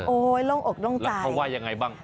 โอ๊ยร่วงอกร่วงใจแล้วเขาว่ายังไงบ้าง